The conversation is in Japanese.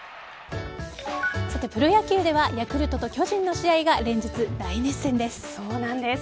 プロ野球ではヤクルトと巨人の試合がそうなんです。